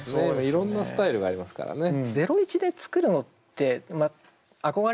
いろんなスタイルがありますからね。